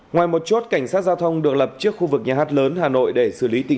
ngoài một chốt cảnh sát giao thông được lập trước khu vực nhà hát lớn hà nội để xử lý tình trạng